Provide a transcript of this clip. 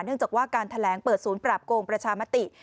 เนื่องจากว่าการแถลงเปิดศูนย์ปราบโกงประชามติ